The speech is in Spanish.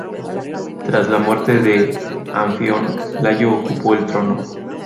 Tras la muerte de Anfión, Layo ocupó el trono.